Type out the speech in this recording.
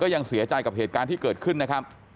ยังเสียใจกับเหตุการณ์ที่เกิดขึ้นนะครับ